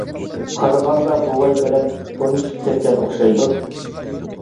قارىغاندا بوۋاي بىلەن تونۇشۇپ كەتكەن ئوخشايدۇ.